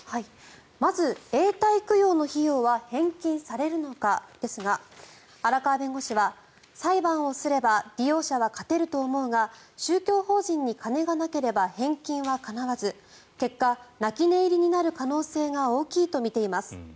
まず、永代供養の費用は返金されるのかですが荒川弁護士は、裁判をすれば利用者は勝てると思うが宗教法人に金がなければ返金はかなわず結果、泣き寝入りになる可能性が大きいと見ています。